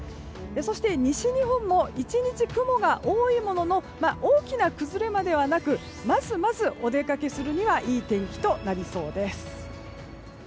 そして西日本も１日、雲が多いものの大きな崩れまではなくまずまずお出かけするにはいい天気となりそうです。